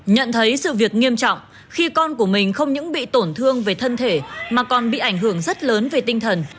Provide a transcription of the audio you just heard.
nhận thấy sự việc nghiêm trọng khi con của mình không những bị tổn thương về thân thể mà còn bị ảnh hưởng rất lớn về tinh thần